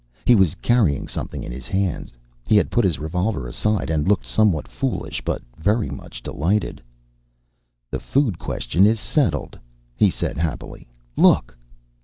He was carrying something in his hands. He had put his revolver aside and looked somewhat foolish but very much delighted. "The food question is settled," he said happily. "Look!"